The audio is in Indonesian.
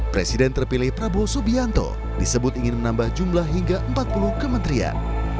presiden terpilih prabowo subianto disebut ingin menambah jumlah hingga empat puluh kementerian